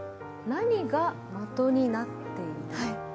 何が的になっている？